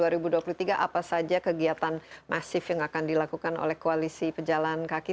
apa saja kegiatan masif yang akan dilakukan oleh koalisi pejalan kaki